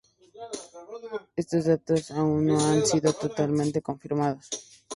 Estos datos aún no han sido totalmente confirmados.